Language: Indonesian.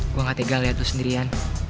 gue gak tegang liat lo sendirian